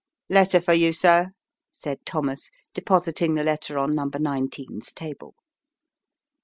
" Letter for you, sir," said Thomas, depositing the letter on number nineteen's table.